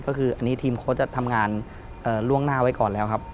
ก็คืออันนี้ทีมโค้ชจะทำงานล่วงหน้าไว้ก่อนแล้วครับ